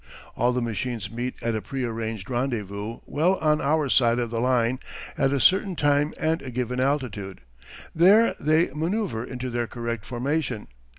All the machines meet at a prearranged rendezvous well on our side of the line at a certain time and a given altitude. There they manoeuvre into their correct formation.